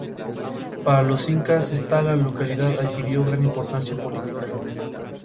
Para los incas, esta localidad adquirió gran importancia política.